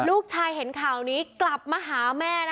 ลูกชายเห็นข่าวนี้กลับมาหาแม่นะ